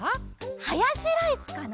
ハヤシライスかな！